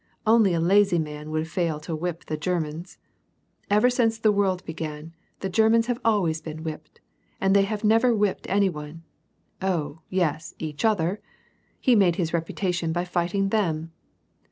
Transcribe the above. Only a lazy man would fail to whip the Germans. Ever since the world began, the Ger mans nave always been whipped. And they have never whipped any one. Oh, yes, each other ! He made his repu tation by fighting them."